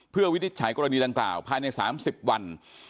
เพื่อวินิจฉัยกรณีดังกล่าวภายใน๓๐วัน